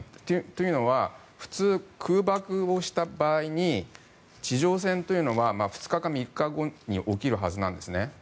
というのは普通空爆をした場合に地上戦というのは２日か３日後に起きるはずなんですね。